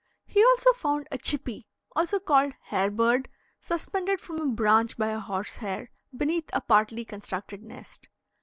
He also found a "chippie" (called also "hair bird") suspended from a branch by a horse hair, beneath a partly constructed nest.